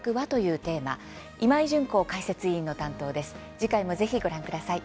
次回も是非ご覧ください。